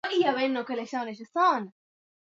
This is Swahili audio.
Tunaweza kusoma na kufanya kazi kwa wakati mmoja